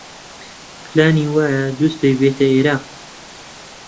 پلانی وایە دووسبەی بێتە ئێرە.